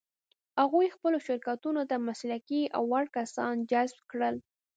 هغوی خپلو شرکتونو ته مسلکي او وړ کسان جذب کړل.